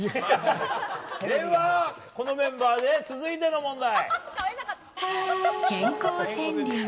では、このメンバーで続いての問題。